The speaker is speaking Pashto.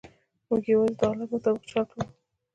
موږ یوازې د حالت مطابق چل کوو.